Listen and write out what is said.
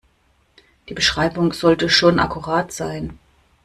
Die Beschreibung sollte schon akkurat sein.